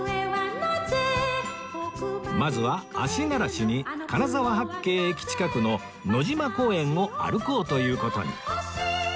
まずは足慣らしに金沢八景駅近くの野島公園を歩こうという事に